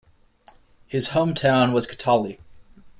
His home town was Kitale.